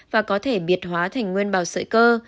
và có thể biệt hóa thành nguyên bào sợi cơ